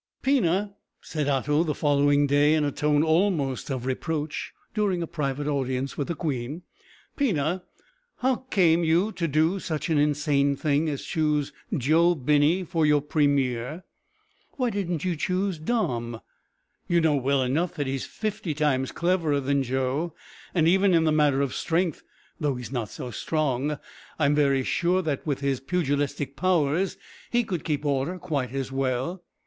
"Pina," said Otto the following day, in a tone almost of reproach, during a private audience with the queen, "Pina, how came you to do such an insane thing as choose Joe Binney for your premier? Why didn't you choose Dom? You know well enough that he's fifty times cleverer than Joe, and even in the matter of strength, though he's not so strong, I'm very sure that with his pugilistic powers he could keep order quite as well.